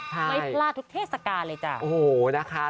ไม่ปลาทุกเทสสกาเลยจ้ะ